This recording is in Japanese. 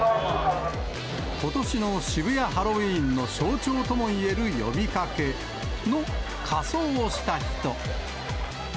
ことしの渋谷ハロウィーンの象徴ともいえる呼びかけの仮装をした人。